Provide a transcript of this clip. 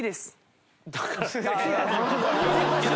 だから。